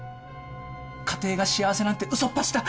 家庭が幸せなんてうそっぱちだ。